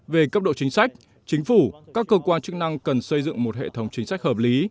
về cấp độ chính sách chính phủ các cơ quan chức năng cần xây dựng một hệ thống chính sách hợp lý